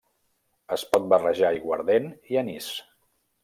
Es pot barrejar aiguardent i anís.